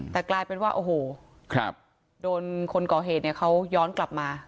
แต่กลายเป็นว่าโอ้โหโดนคนก่อเหตุเนี่ยเขาย้อนกลับมา